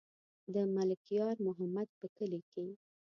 د ملک یار محمد په کلي کې.